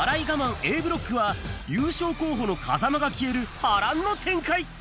Ａブロックは優勝候補の風間が消える波乱の展開。